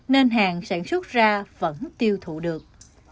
nên hàng sản xuất ra vẫn tiêu thụ được